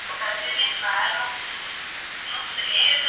Posteriormente regresó a su provincia natal.